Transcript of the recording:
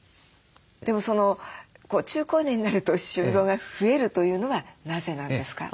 でも中高年になると歯周病が増えるというのはなぜなんですか？